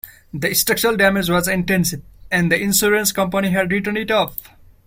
The structural damage was intensive, and the insurance company had written-it-off.